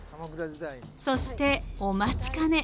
そしてお待ちかね。